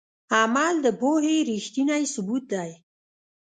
عمل د پوهې ریښتینی ثبوت دی.